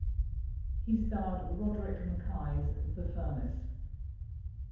He starred Roderick Mackay’s "The Furnace".